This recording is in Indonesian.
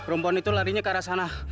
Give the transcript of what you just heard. rumpon itu larinya ke arah sana